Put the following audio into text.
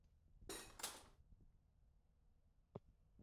Пушеҥгым икте кодде руэн сӱмырышт, да ик чонанат ыш код.